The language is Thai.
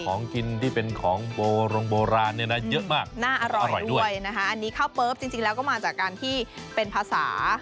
ของกินที่เป็นของโบรงโบราณเนี่ยนะเยอะมากน่าอร่อยด้วยนะคะอันนี้ข้าวเปิ๊บจริงแล้วก็มาจากการที่เป็นภาษา